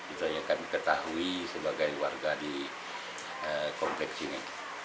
itu yang kami ketahui sebagai warga di kompleks ini